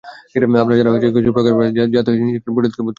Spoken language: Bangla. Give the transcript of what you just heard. আপনার আচরণে এমন কিছু প্রকাশ পাবে না, যাতে সন্তান নিজেকে পরিত্যক্ত বোধ করে।